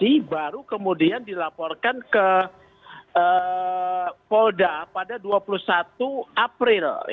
ini baru kemudian dilaporkan ke polda pada dua puluh satu april